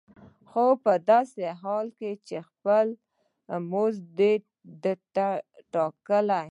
خو په داسې حال کې چې خپل مزد دې دی ټاکلی.